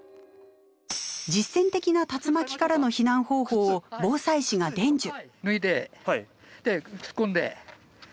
実践的な竜巻からの避難方法を防災士が伝授。